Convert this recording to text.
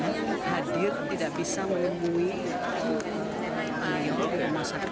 saya menyesal tidak bisa hadir tidak bisa menemui ayah rumah sakit